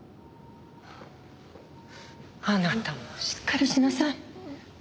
あなたもしっかりしなさい。